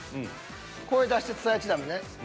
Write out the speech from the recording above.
声出して伝えちゃダメね。